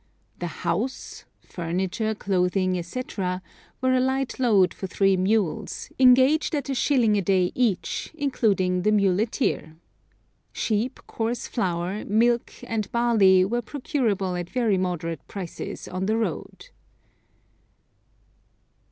The 'house,' furniture, clothing, &c., were a light load for three mules, engaged at a shilling a day each, including the muleteer. Sheep, coarse flour, milk, and barley were procurable at very moderate prices on the road.